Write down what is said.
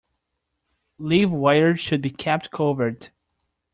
Live wires should be kept covered.